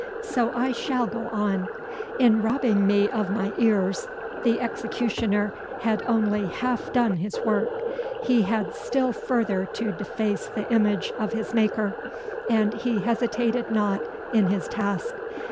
So I shall go on. In robbing me of my ears, the executioner had only half done his work. He had still further to deface the image of his Maker, and he hesitated not in his task.